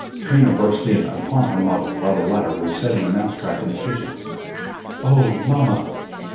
Trina burst in upon her mother while the latter was setting a mousetrap in the kitchen. "Oh, mamma!"